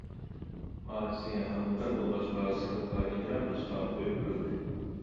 ئاچىسى ھامىلىدار بولغاچقا سىرتتا ئىجرا قىلىشقا قويۇپ بېرىلدى.